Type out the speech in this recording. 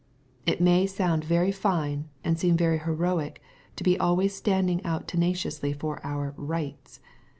It may sound very fine, and seem very heroic to be al ways standing out tenaciously for our rights.